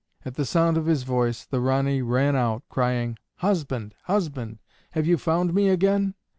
At the sound of his voice the Ranee ran out, crying, "Husband, husband! have you found me again?"